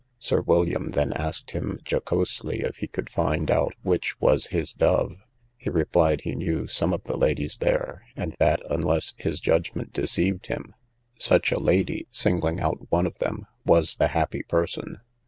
Sir William then asked him jocosely if he could find out which was his dove. He replied, he knew some of the ladies there; and that, unless his judgment deceived him, such a lady, (singling out one of them) was the happy person.